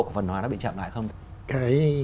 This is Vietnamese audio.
của phần hóa nó bị chạm lại không cái